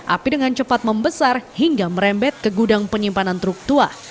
api dengan cepat membesar hingga merembet ke gudang penyimpanan truk tua